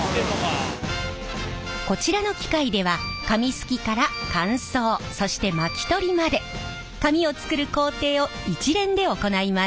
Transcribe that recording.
こちらの機械では紙すきから乾燥そして巻き取りまで紙を作る工程を一連で行います。